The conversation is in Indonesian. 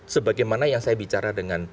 sebagaimana yang saya bicara dengan